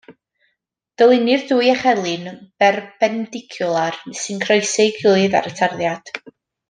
Dylunnir dwy echelin berpendicwlar sy'n croesi ei gilydd ar y tarddiad.